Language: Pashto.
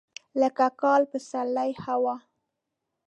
لکه کال، پسرلی، هوا.